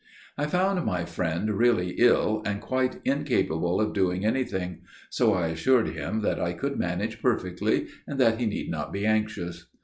"I found my friend really ill, and quite incapable of doing anything; so I assured him that I could manage perfectly, and that he need not be anxious.